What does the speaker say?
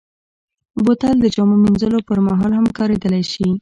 بوتل د جامو مینځلو پر مهال هم کارېدلی شي.